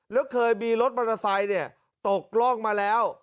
แล้วเคยมีรถมอเตอร์ไซค์ตกร่องมาแล้ว